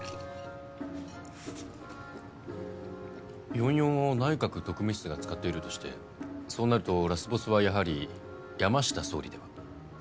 ４４を内閣特務室が使っているとしてそうなるとラスボスはやはり山下総理では？